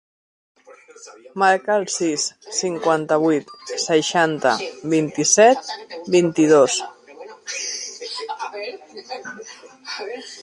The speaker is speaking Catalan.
Marca el sis, cinquanta-vuit, seixanta, vint-i-set, vint-i-dos.